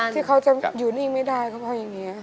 ที่เขาจะอยู่นี่ไม่ได้เขาว่าอย่างนี้